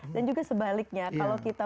dan juga sebaliknya kalau kita